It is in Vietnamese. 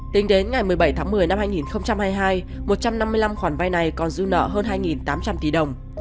tính đến ngày một mươi bảy tháng một mươi năm hai nghìn hai mươi hai một trăm năm mươi năm khoản vay này còn dư nợ hơn hai tám trăm linh tỷ đồng